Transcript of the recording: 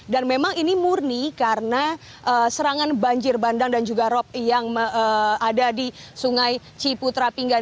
dan memang ini murni karena serangan banjir bandang dan juga rop yang ada di sungai ciputra pinggan